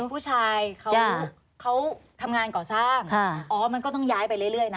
ผู้ชายเขาทำงานก่อสร้างอ๋อมันก็ต้องย้ายไปเรื่อยนะ